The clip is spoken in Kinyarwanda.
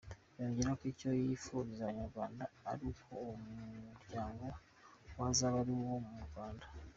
Yongeraho ko icyo yifuriza Abanyarwanda ari uko uwo muryango wazaba ari uwo mu Rwanda.